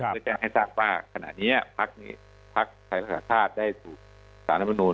เพื่อแจ้งให้ทราบว่าขณะเนี้ยภักดิ์นี้ภักดิ์ไทยรัฐธาตุได้สู่สถานประนูน